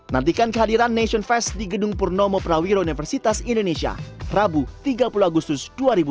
nantikan kehadiran nation fest di gedung purnomo prawiro universitas indonesia rabu tiga puluh agustus dua ribu dua puluh